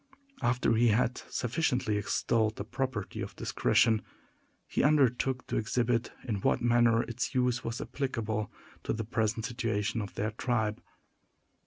After he had sufficiently extolled the property of discretion, he undertook to exhibit in what manner its use was applicable to the present situation of their tribe.